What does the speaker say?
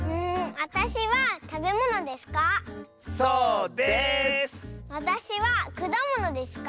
わたしはくだものですか？